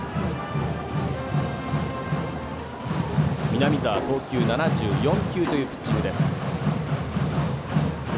南澤、投球７４球というピッチングです。